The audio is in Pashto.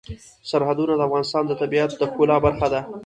سرحدونه د افغانستان د طبیعت د ښکلا برخه ده.